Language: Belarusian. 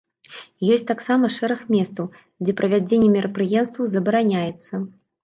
Ёсць таксама шэраг месцаў, дзе правядзенне мерапрыемстваў забараняецца.